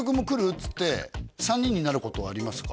っつって３人になることはありますか？